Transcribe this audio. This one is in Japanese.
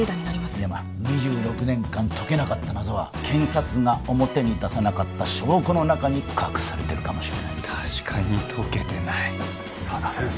深山２６年間解けなかった謎は検察が表に出さなかった証拠の中に隠されてるかもしれないぞ確かにとけてない佐田先生